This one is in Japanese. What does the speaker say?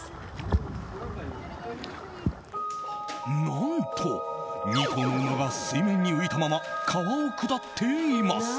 何と２頭の馬が水面に浮いたまま川を下っています。